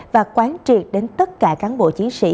và quán triệt đến tất cả cán bộ chiến sĩ